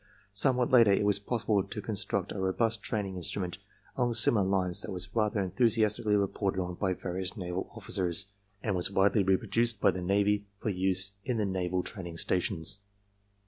Somewhat later it was possible to construct a robust training instrument along similar lines that was rather enthusiastically reported on by various Naval officers, and was widely reproduced by the Navy for use in the Naval Training Stations.